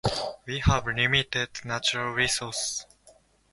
We have limited natural resources.